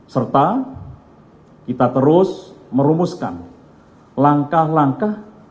serta kita terus merumuskan langkah langkah